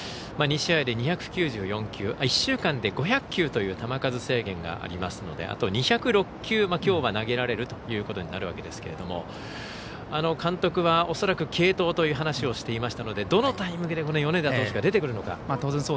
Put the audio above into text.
２試合で２９４球、１週間で５００球という球数制限があるのであと２０６球きょうは投げられるということになりますけれども監督は恐らく継投という話をしていましたのでどのタイミングで米田投手が出てくるのか。